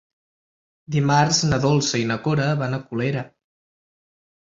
Dimarts na Dolça i na Cora van a Colera.